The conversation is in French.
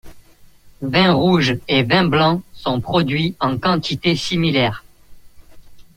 Vins rouges et vins blancs sont produits en quantités similaires.